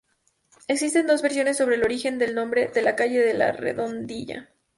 Existen dos versiones sobre el origen del nombre de la calle de la Redondilla.